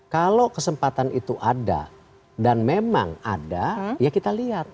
kalau kesempatan itu ada dan memang ada ya kita lihat